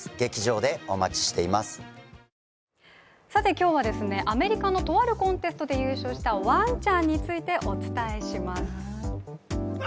今日は、アメリカのとあるコンテストで優勝したわんちゃんについてお伝えします。